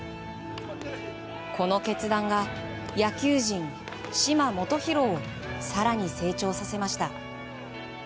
この決断が、野球人・嶋基宏を更に成長させました。